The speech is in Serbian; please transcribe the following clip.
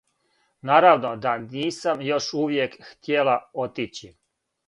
Наравно да нисам још увијек хтјела отићи.